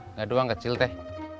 nggak ada uang kecil teh